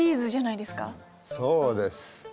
そうです。